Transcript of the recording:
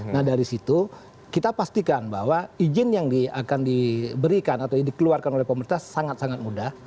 nah dari situ kita pastikan bahwa izin yang akan diberikan atau dikeluarkan oleh pemerintah sangat sangat mudah